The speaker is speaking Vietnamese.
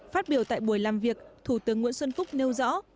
phát biểu tại buổi làm việc thủ tướng nguyễn xuân phúc nêu rõ